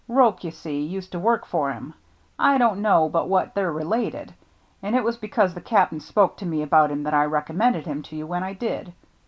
Roche, you see, used to work for him, — I don't know but what they're related, — and it was because the Cap'n spoke to me about him that I recommended him to you when I did.